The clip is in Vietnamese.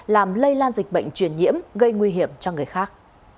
làm lây lan dịch bệnh truyền nhiễm gây nguy hiểm cho người khác